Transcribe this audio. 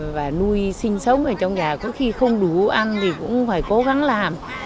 và nuôi sinh sống ở trong nhà có khi không đủ ăn thì cũng phải cố gắng làm